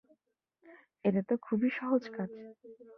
এটা তো খুবই সহজ কাজ।